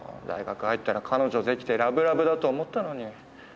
大学入ったら彼女できてラブラブだと思ったのに。